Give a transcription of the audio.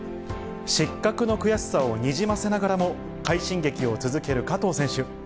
失格の悔しさをにじませながらも、快進撃を続ける加藤選手。